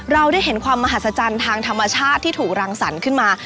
เราได้เห็นความมหัศจรรย์ทางธรรมชาติที่ถูกรังสรรค์ขึ้นมา